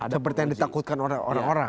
seperti yang ditakutkan orang orang